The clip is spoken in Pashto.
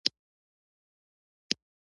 د دوشنبې ښار د بدلون په حال کې دی.